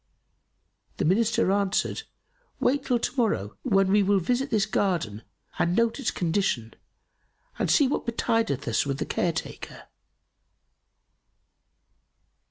The Minister answered, "Wait till to morrow when we will visit this garden and note its condition and see what betideth us with the care taker."